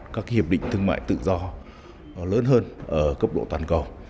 các hiệp định thương mại tự do lớn hơn